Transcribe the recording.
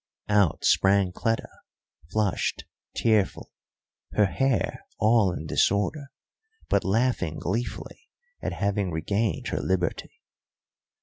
Out sprang Cleta, flushed, tearful, her hair all in disorder, but laughing gleefully at having regained her liberty.